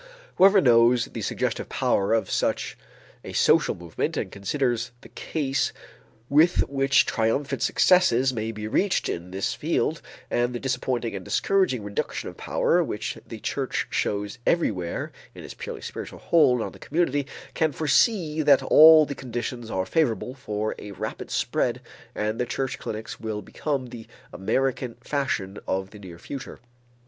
Whoever knows the suggestive power of such a social movement, and considers the ease with which triumphant successes may be reached in this field and the disappointing and discouraging reduction of power which the church shows everywhere in its purely spiritual hold on the community, can foresee that all the conditions are favorable for a rapid spread and that the church clinics will become the American fashion of the near future.